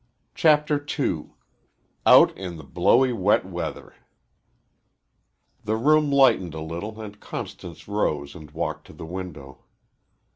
CHAPTER II OUT IN THE BLOWY WET WEATHER The room lightened a little and Constance rose and walked to the window.